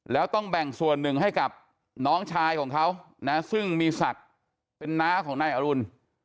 แล้วต้องแบ่งส่วนหนึ่งให้กับน้องชายของเขานะซึ่งมีศักดิ์เป็นน้าของนายอรุณ